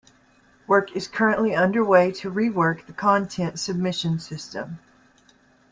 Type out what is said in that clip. Work is currently underway to rework the content submission system.